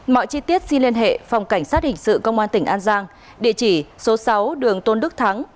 mọi chi tiết xin liên hệ phòng cảnh sát hình sự công an tỉnh an giang địa chỉ số sáu đường tôn đức thắng